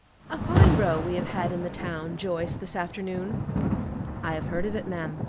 "A fine row we have had in the town, Joyce, this afternoon." "I have heard of it, ma'am.